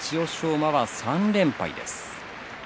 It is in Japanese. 馬は３連敗です。